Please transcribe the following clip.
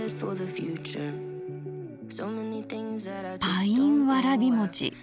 パインわらびもち。